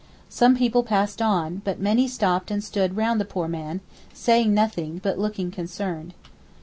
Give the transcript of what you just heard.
Some people passed on, but many stopped and stood round the poor man, saying nothing, but looking concerned.